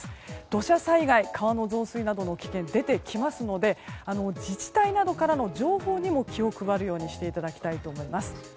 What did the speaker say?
土砂災害、川の増水などの危険が出てきますので自治体などからの情報にも気を配るようにしていただきたいと思います。